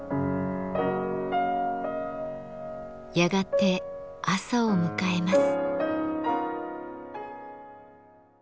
やがて朝を迎えます。